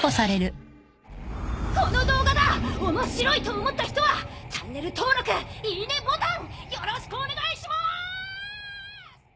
この動画が面白いと思った人はチャンネル登録いいねボタンよろしくお願いします！